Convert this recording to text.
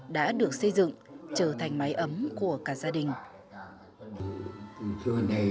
đã được xây dựng trở thành máy ấm của cả gia đình